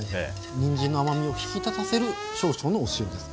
にんじんの甘みを引き立たせる少々のお塩です。